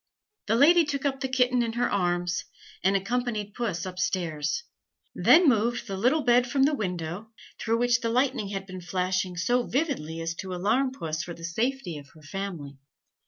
The lady took up the kitten in her arms, and accompanied Puss up stairs, then moved the little bed from the window, through which the lightning had been flashing so vividly as to alarm Puss for the safety of her family.